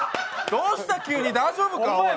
どうした急に大丈夫か、お前。